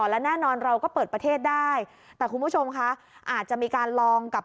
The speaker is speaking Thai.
และแน่นอนเราก็เปิดประเทศได้แต่คุณผู้ชมคะอาจจะมีการลองกับ